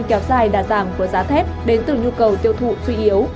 kéo dài đà giảm của giá thép đến từ nhu cầu tiêu thụ suy yếu